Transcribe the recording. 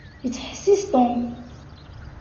Yettḥessis Tom.